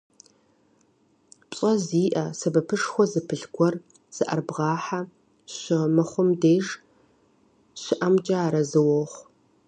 ПщӀэ зиӀэ, сэбэпышхуэ зыпылъ гуэр зыӀэрыбгъэхьэ щымыхъум деж щыӀэмкӀэ арэзы уохъу.